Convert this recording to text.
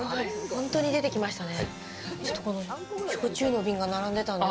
ほんとに出てきましたね。